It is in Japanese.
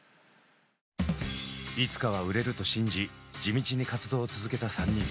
いつかは売れると信じ地道に活動を続けた３人。